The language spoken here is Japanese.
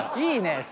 いいね。